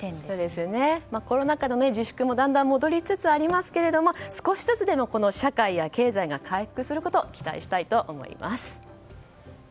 コロナ禍の自粛もだんだん戻りつつありますが少しずつでも社会や経済が回復することを期待したいと思います。